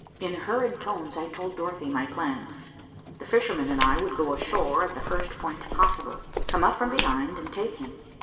In hurried tones, I told Dorothy my plans. The fisherman and I would go ashore at the first point possible, come up from behind, and take him.